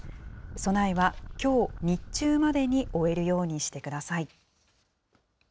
備えはきょう日中までに終えるようにしてください。